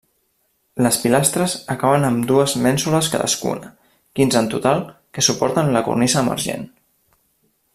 Les pilastres acaben amb dues mènsules cadascuna -quinze en total- que suporten la cornisa emergent.